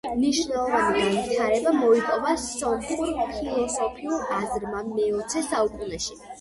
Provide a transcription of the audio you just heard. მნიშვნელოვანი განვითარება მოიპოვა სომხურ ფილოსოფიურ აზრმა მეოცე საუკუნეში.